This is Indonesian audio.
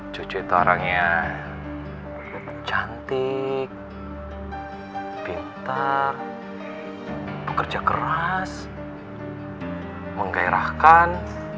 cucu itu orang yang cantik pintar bekerja keras menggairahkan